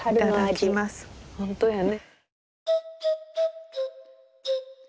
本当やね。